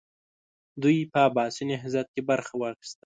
دوی په عباسي نهضت کې برخه واخیسته.